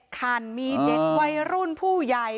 คันมีเด็กวัยรุ่นผู้ใหญ่